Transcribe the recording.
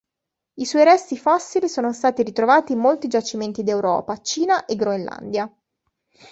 I suoi resti fossili sono stati ritrovati in molti giacimenti d'Europa, Cina e Groenlandia.